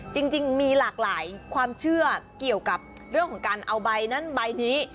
จริงมีหลากหลายความเชื่อเกี่ยวกับเรื่องของการเอาใบนั้นใบนี้